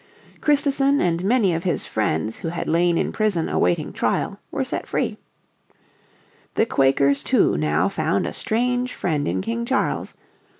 Christison and many of his friends who had lain in prison awaiting trial were set free. The Quakers, too, now found a strange friend in King Charles.